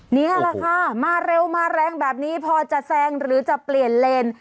นี่แหละค่ะมาเร็วมาแรงแบบนี้พอจะแซงหรือจะเปลี่ยนเลน